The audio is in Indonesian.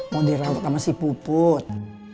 mau dirawat sama si puput